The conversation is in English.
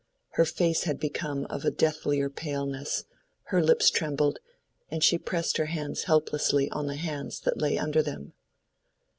Her face had become of a deathlier paleness, her lips trembled, and she pressed her hands helplessly on the hands that lay under them.